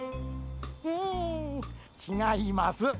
ううんちがいます。